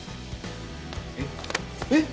えっえっ！？